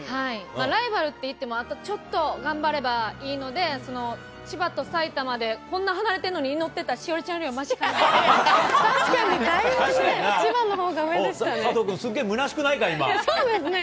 ライバルって言っても、あとちょっと頑張れはいいので、千葉と埼玉でこんな離れてるのに祈ってた栞里ちゃんよりはましか確かにだいぶ千葉のほうが上佐藤君、すっげえ、むなしくそうですね。